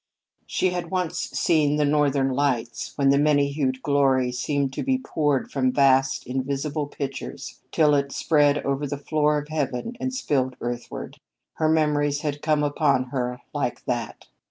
She had once seen the Northern lights when the many hued glory seemed to be poured from vast, invisible pitchers, till it spread over the floor of heaven and spilled earthward. Her memories had come upon her like that.